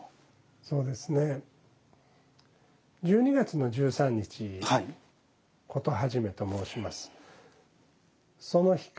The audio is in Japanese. そうですね１２月の１３日「事始め」と申します。